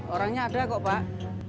orangnya ada kok pak